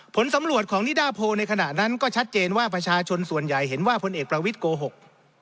ผลสำรวจของนิดาโพลในขณะนั้นก็ชัดเจนว่าประชาชนส่วนใหญ่เห็นว่าพลเอกประวิทย์โกหก